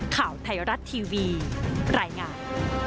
ข่าวไทยรัฐทีวีรายงาน